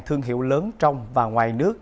thương hiệu lớn trong và ngoài nước